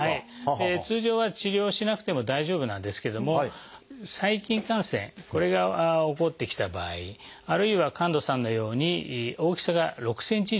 通常は治療しなくても大丈夫なんですけども細菌感染これが起こってきた場合あるいは神門さんのように大きさが６ｃｍ以上。